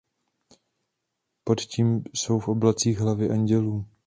Pod tím jsou v oblacích hlavy andělů.